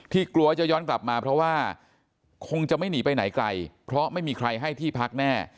กลัวจะย้อนกลับมาเพราะว่าคงจะไม่หนีไปไหนไกลเพราะไม่มีใครให้ที่พักแน่